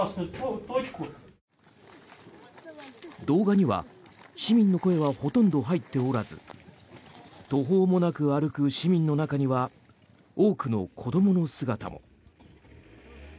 動画には市民の声はほとんど入っておらず途方もなく歩く市民の中には多くの子どもの姿も。